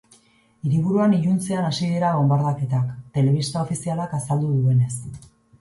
Hiriburuan iluntzean hasi dira bonbardaketak, telebista ofizialak azaldu duenez.